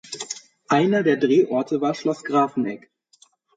Einer der Drehorte war Schloss Grafenegg.